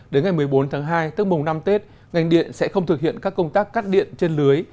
đến ngày một mươi bốn tháng hai tức mùng năm tết ngành điện sẽ không thực hiện các công tác cắt điện trên lưới